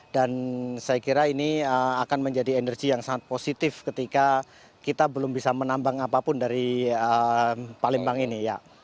dan saya kira ini akan menjadi energi yang sangat positif ketika kita belum bisa menambang apapun dari palembang ini